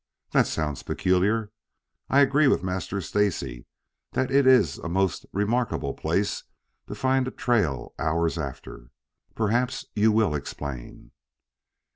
"That sounds peculiar. I agree with Master Stacy that it is a most remarkable place to find a trail hours after. Perhaps you will explain."